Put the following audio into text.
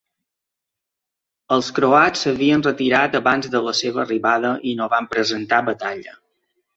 Els croats s'havien retirat abans de la seva arribada i no van presentar batalla.